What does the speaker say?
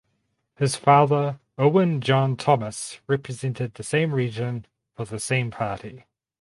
His father Owen John Thomas represented the same region for the same party.